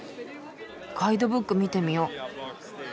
ガイドブック見てみよう。